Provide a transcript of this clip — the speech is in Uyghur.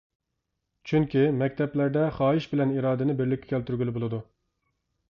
چۈنكى مەكتەپلەردە خاھىش بىلەن ئىرادىنى بىرلىككە كەلتۈرگىلى بولىدۇ.